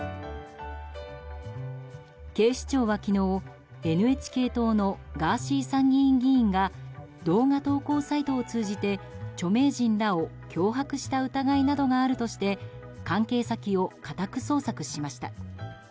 警視庁は昨日ＮＨＫ党のガーシー参議院議員が動画投稿サイトを通じて著名人らを脅迫した疑いなどがあるとして関係先を家宅捜索しました。